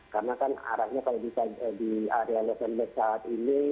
karena kan arahnya kalau bisa di area los angeles saat ini